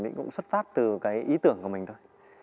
thì cũng xuất phát từ cái ý tưởng của mình thôi